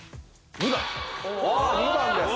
２番です。